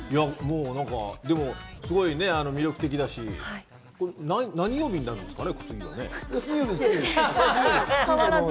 すごい魅力的だし、次は何曜日になるんですかね？